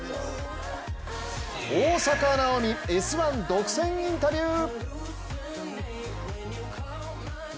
大坂なおみ「Ｓ☆１」独占インタビュー！